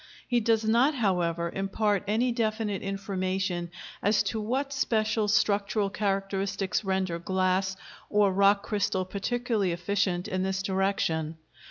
He does not, however, impart any definite information as to what special structural characteristics render glass or rock crystal particularly efficient in this direction.